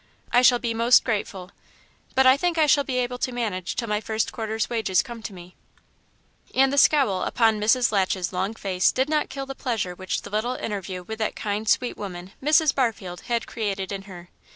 I shall be most grateful. But I think I shall be able to manage till my first quarter's wages come to me." And the scowl upon Mrs. Latch's long face did not kill the pleasure which the little interview with that kind, sweet woman, Mrs. Barfield, had created in her.